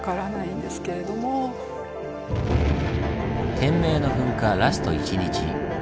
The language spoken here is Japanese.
天明の噴火ラスト１日。